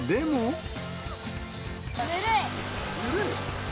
ぬるい。